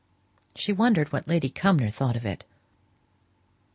She wondered what Lady Cumnor thought of it.